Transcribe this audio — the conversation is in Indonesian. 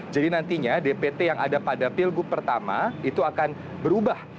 jadi nantinya dpt yang ada pada pilkup pertama itu akan berubah